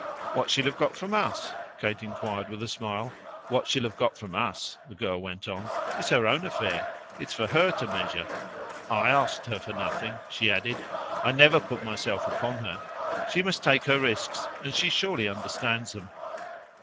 "What she'll have got from US?" Kate put it with a smile. "What she'll have got from us," the girl went on, "is her own affair it's for HER to measure. I asked her for nothing," she added; "I never put myself upon her. She must take her risks, and she surely understands them.